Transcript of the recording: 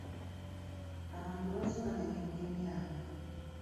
Abantu bazze banyagibwa ebyabwe.